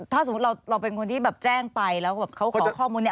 ถ้าสมมุติเราเป็นคนที่แบบแจ้งไปแล้วเขาขอข้อมูลนี้